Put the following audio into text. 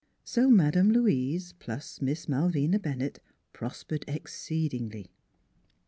So Madame Louise plus Miss Malvina Bennett pros pered exceedingly.